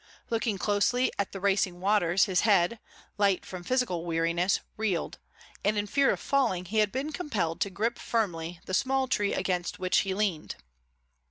Looking closely at the racing waters his head, light from physical weariness, reeled, and in fear of falling he had been compelled to grip firmly the small tree against which he leaned.